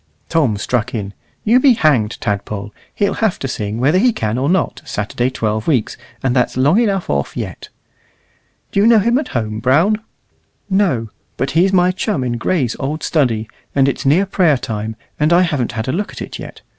Tom struck in "You be hanged, Tadpole. He'll have to sing, whether he can or not, Saturday twelve weeks, and that's long enough off yet." "Do you know him at home, Brown?" "No; but he's my chum in Gray's old study, and it's near prayer time, and I haven't had a look at it yet.